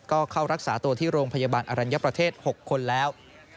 ก็เข้ารักษาตัวที่โรงพยาบาลอรัญญประเทศ๖คนแล้ว